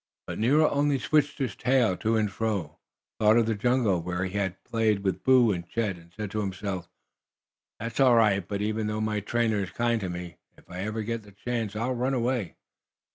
But Nero only switched his tail to and fro, thought of the jungle where he had played with Boo and Chet, and said to himself: "That's all right. But, even though my trainer is kind to me, if ever I get the chance I'll run away!"